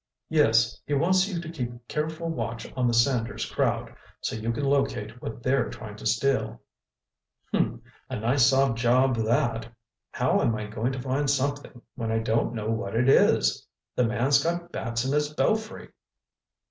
"Yes, he wants you to keep careful watch on the Sanders crowd, so you can locate what they're trying to steal." "Huh! A nice, soft job that! How am I going to find something when I don't know what it is? The man's got bats in his belfry!"